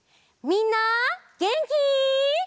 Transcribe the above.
みんなげんき？